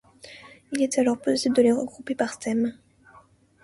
Il est alors possible de les regrouper par thème.